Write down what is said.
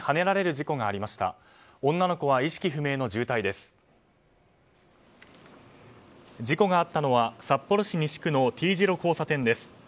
事故があったのは札幌市西区のＴ字路交差点です。